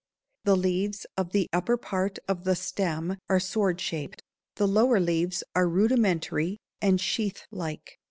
The leaves of the upper part of the stem are sword shaped; the lower leaves are rudimentary and sheath like.